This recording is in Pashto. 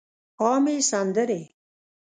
عامې سندرې